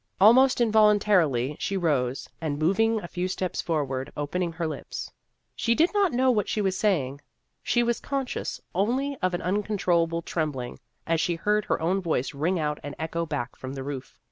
Almost involuntarily she rose, and moving a few steps forward, opened her lips. She did not know what she was saying ; she was conscious only of an uncontrollable trembling, as she heard her own voice ring out and echo back from the roof.